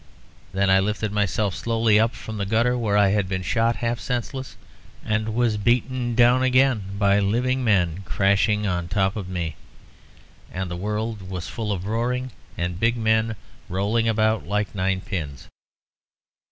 Then I lifted myself slowly up from the gutter where I had been shot half senseless, and was beaten down again by living men crashing on top of me, and the world was full of roaring, and big men rolling about like nine pins."